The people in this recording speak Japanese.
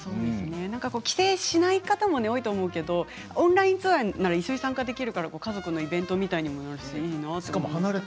帰省しない方も多いと思うけれどもオンラインツアーなら一緒に参加できるから、家族イベントみたいになるからいいなと。